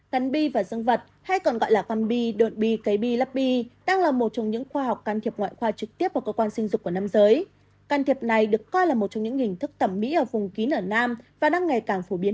cắn bi và dân vật hay còn gọi là cắn bi đột bi cấy bi lắp bi đang là một trong những khoa học can thiệp ngoại khoa trực tiếp vào cơ quan sinh dục của năm giới